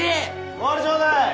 ボウルちょうだい